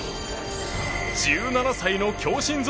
１７歳の強心臓